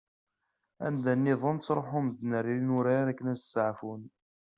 Anda-nniḍen ttruḥun medden ɣer yinurar i wakken ad steɛfun.